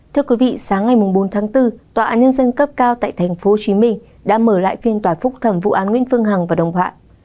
thưa quý vị sáng ngày bốn tháng bốn tòa án nhân dân cấp cao tại tp hcm đã mở lại phiên tòa phúc thẩm vụ án nguyễn phương hằng và đồng họa